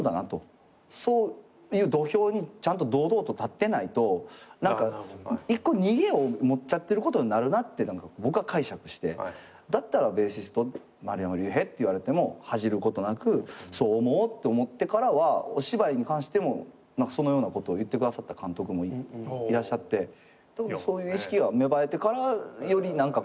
そういう土俵にちゃんと堂々と立ってないと一個逃げを持っちゃってることになるなって僕は解釈してだったら「ベーシスト丸山隆平」っていわれても恥じることなくそう思おうって思ってからはお芝居に関してもそのようなことを言ってくださった監督もいらっしゃって特にそういう意識は芽生えてからより何か